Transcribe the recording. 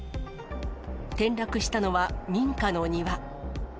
転落したのは民家の庭。